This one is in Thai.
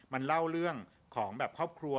มันเล่าเรื่องของแบบครอบครัว